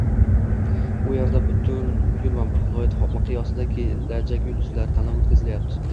— U yerda bugun viloyat miqyosida “Kelajak yulduzlari” tanlovi o’tkazilyapti.